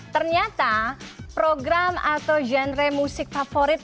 ternyata program atau genre musik favorit